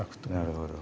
なるほど。